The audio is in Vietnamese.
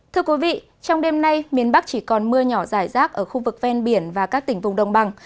thưa quý vị trong đêm nay miền bắc chỉ còn mưa nhỏ dài rác ở khu vực ven biển và các tỉnh vùng đồng bằng